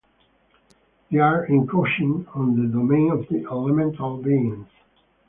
They are encroaching on the domain of the elemental beings.